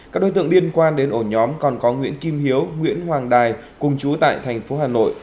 các đối tượng liên quan đến ổ nhóm còn có nguyễn kim hiếu nguyễn hoàng đài cùng chú tại thành phố hà nội